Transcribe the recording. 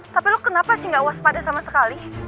tapi lo kenapa sih nggak waspada sama sekali